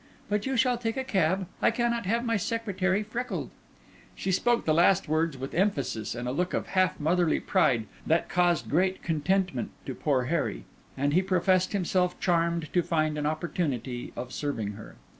But you shall take a cab; I cannot have my secretary freckled." She spoke the last words with emphasis and a look of half motherly pride that caused great contentment to poor Harry; and he professed himself charmed to find an opportunity of serving her.